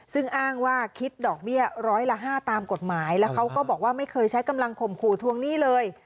ซึ่งอ้างว่าคิดดอกเบี้ยร้อยละ๕ตามกฎหมายแล้วเขาก็บอกว่าไม่เคยใช้กำลังข่มขู่ทวงหนี้เลย